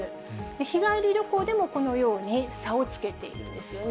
日帰り旅行でもこのように差をつけているんですよね。